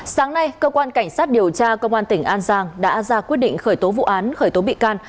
sáng nay công an tỉnh an giang đã ra quyết định khởi tố vụ án khởi tố bị can